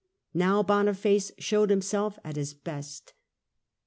Now Boniface showed himself at his best.